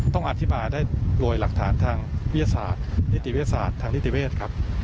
ต้องอธิบายได้โดยหลักฐานทางวิทยาศาสตร์นิติวิทยาศาสตร์ทางนิติเวศครับ